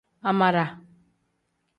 Amara.